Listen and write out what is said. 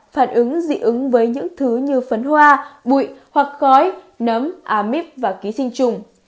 phản ứng dị ứng với những thứ như phấn hoa bụi hoặc khói nấm amip và ký sinh trùng